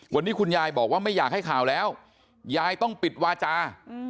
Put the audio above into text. วันนี้คุณยายบอกว่าไม่อยากให้ข่าวแล้วยายต้องปิดวาจา